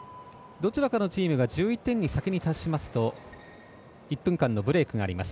どちらかのチームが先に１１点に達しますと１分間のブレークがあります